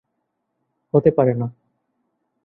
হতে পারে না।